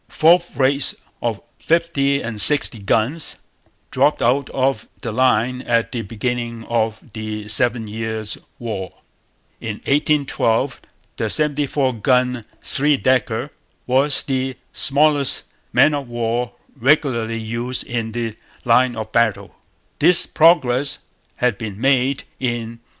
'Fourth rates,' of 50 and 60 guns, dropped out of the line at the beginning of the Seven Years' War. In 1812 the 74 gun three decker was the smallest man of war regularly used in the line of battle.] This 'progress' had been made in 1801.